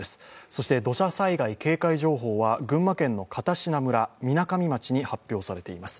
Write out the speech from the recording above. そして土砂災害警戒情報は群馬県の片品村、みなかみ町に発表されています。